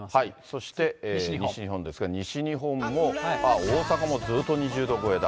そして西日本ですが、西日本も大阪もずっと２０度超えだ。